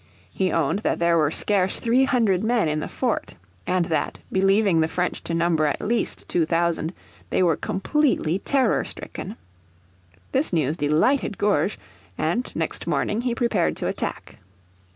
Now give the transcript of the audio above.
He owned that there were scarce three hundred men in the fort and that, believing the French to number at least two thousand, they were completely terror stricken. This news delighted Gourges, and next morning he prepared to attack.